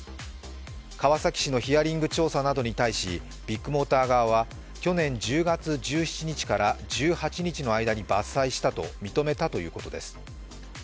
川崎市のヒアリング調査などに対し、ビッグモーター側は去年１０月１７日から１８日の間に伐採したと認めたということです。